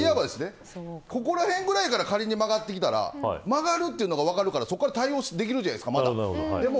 ここら辺ぐらいから、仮に曲がってきたら曲がるというのが分かるからそこから対応できるじゃないですか。